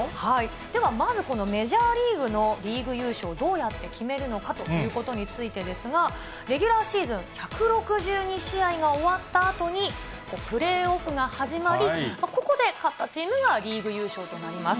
ではまずこのメジャーリーグのリーグ優勝、どうやって決めるのかということについてですが、レギュラーシーズン１６２試合が終わったあとに、プレーオフが始まり、ここで勝ったチームがリーグ優勝となります。